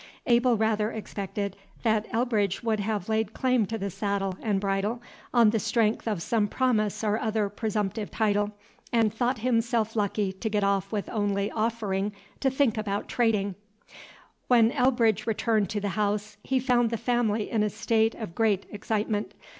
Abel rather expected that Elbridge would have laid claim to the saddle and bridle on the strength of some promise or other presumptive title, and thought himself lucky to get off with only offering to think abaout tradin'. When Elbridge returned to the house, he found the family in a state of great excitement.